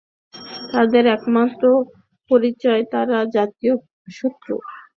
তাদের একমাত্র পরিচয় তারা জাতির শত্রু, তারা চরম সন্ত্রাসী, তাদের অপরাধ অমার্জনীয়।